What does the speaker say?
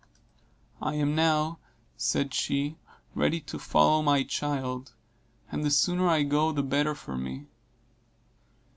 I am now, said she, ready to follow my child, and the sooner I go the better for me.